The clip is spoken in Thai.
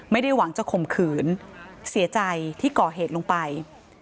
ไม่ได้หวังจะข่มขืนเสียใจที่ก่อเหตุลงไป